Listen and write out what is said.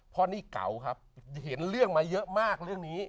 เพราะนี่เก่าครับเห็นเรื่องมาเยอะมากเรื่องนี้